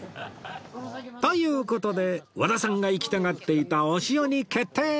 という事で和田さんが行きたがっていたおしおに決定